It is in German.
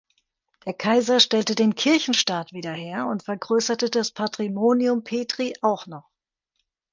Der Kaiser stellte den Kirchenstaat wieder her und vergrößerte das Patrimonium Petri auch noch.